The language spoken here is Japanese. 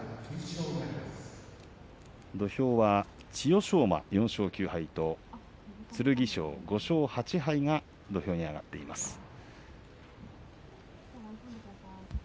土俵は千代翔馬４勝９敗と剣翔、５勝８敗が土俵に上がっています。